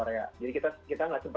tapi kita nyanyi tentang lagunya